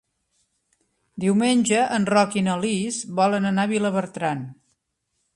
Diumenge en Roc i na Lis volen anar a Vilabertran.